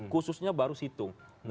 khususnya baru situng